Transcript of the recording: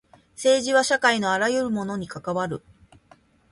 政治は社会のあらゆるものに関わる。